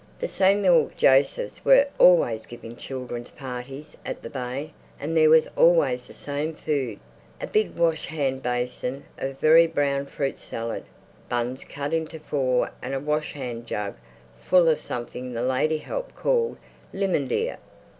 The Samuel Josephs were always giving children's parties at the Bay and there was always the same food. A big washhand basin of very brown fruit salad, buns cut into four and a washhand jug full of something the lady help called "Limmonadear."